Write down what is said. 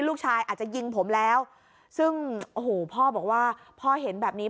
ลูกชายอาจจะยิงผมแล้วซึ่งโอ้โหพ่อบอกว่าพ่อเห็นแบบนี้